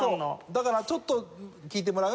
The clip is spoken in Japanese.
だからちょっと聴いてもらう？